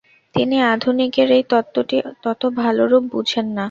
কিন্তু আধুনিকেরা এই তত্ত্বটি তত ভালরূপ বুঝেন না।